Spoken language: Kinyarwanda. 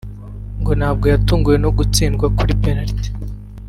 ngo ntabwo yatunguwe no gutsindwa kuri penaliti